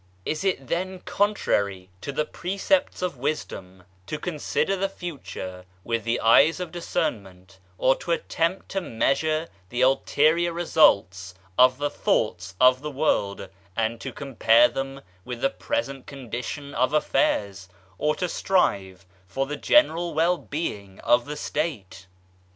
Is it then contrary to the precepts of wisdom, to consider the future with the eyes of discern ment, or to attempt to measure the ulterior results of the thoughb of the world, and to compare them with the present condition of affairs, or to strive for the general well being of the state?